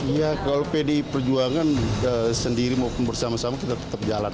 ya kalau pdi perjuangan sendiri maupun bersama sama kita tetap jalan